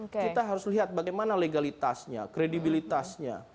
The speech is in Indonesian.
kita harus lihat bagaimana legalitasnya kredibilitasnya